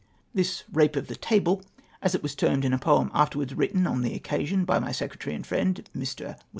This "Eape of the Table," as it was termed in a poem afterwards written on the occasion by my secre tary and friend, Mi\ Wm.